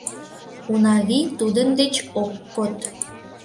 Унавий тудын деч ок код.